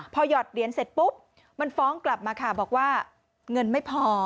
พอหยอดเหรียญเสร็จปุ๊บมันฟ้องกลับมาค่ะบอกว่าเงินไม่พอ